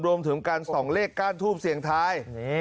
รวมถึงการส่องเลขก้านทูบเสียงทาย